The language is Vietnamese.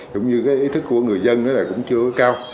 cũng như cái ý thức của người dân là cũng chưa cao